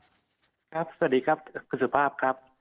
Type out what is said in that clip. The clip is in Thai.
สวัสดีครับคุณสุภาพครับ